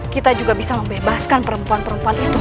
kita juga bisa membebaskan perempuan perempuan itu